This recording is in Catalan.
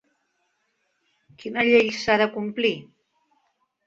Quina llei s'ha de complir?